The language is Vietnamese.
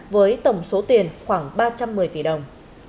với tổng số tiền khoảng ba trăm một mươi tỷ đồng